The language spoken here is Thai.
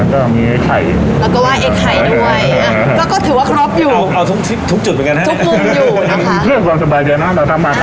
คนทำมาค้าขายก็เพื่อความสบายใจส่วนใหญ่จะขอพรด้วยฮะ